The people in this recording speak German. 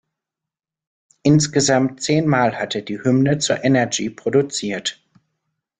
Insgesamt zehnmal hat er die Hymne zur «Energy» produziert.